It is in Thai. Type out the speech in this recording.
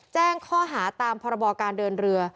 แจ้งข้อหาตามพรบการเดินเรือ